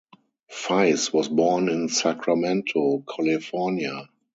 Feiss was born in Sacramento, California.